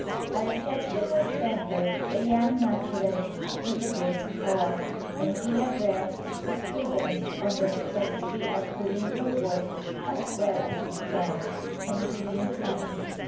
A reception was tendered the young naturalist in the great hall, and he addressed the students on the necessity of doing your work as well as you can, and being kind.